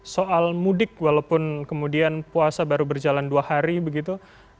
soal mudik walaupun kemudian puasa baru berjalan dua hari begitu